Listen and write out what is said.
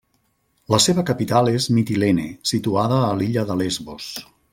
La seva capital és Mitilene, situada a l'illa de Lesbos.